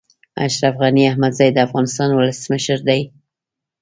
اشرف غني احمدزی د افغانستان ولسمشر دی